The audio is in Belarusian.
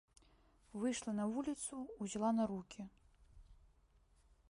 Выйшла на вуліцу, узяла на рукі.